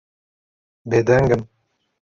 Bêdeng im.